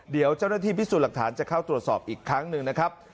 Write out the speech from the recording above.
เดี๋ยวเจ้าหน้าที่พิสูจน์หลักฐานจะเข้าตรวจสอบอีกครั้งหนึ่งนะครับ